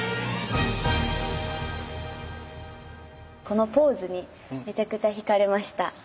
このポーズにめちゃくちゃ惹かれました。